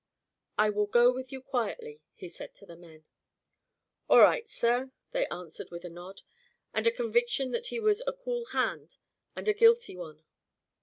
"I will go with you quietly," he said to the men. "All right, sir," they answered with a nod, and a conviction that he was a cool hand and a guilty one.